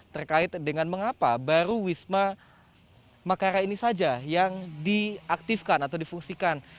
terkait dengan mengapa baru wisma makara ini saja yang diaktifkan atau difungsikan